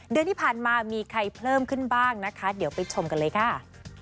เดือนที่ผ่านมามีใครเพิ่มขึ้นบ้างนะคะเดี๋ยวไปชมกันเลยค่ะ